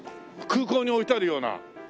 空港に置いてあるような。